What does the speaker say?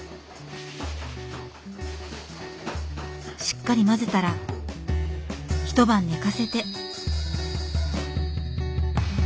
しっかり混ぜたら１晩寝かせて。